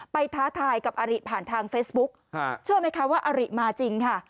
ท้าทายกับอาริผ่านทางเฟซบุ๊กเชื่อไหมคะว่าอริมาจริงค่ะ